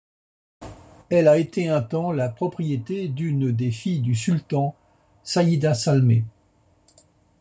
Elle a été un temps la propriété d'une des filles du sultan, Sayyida Salme.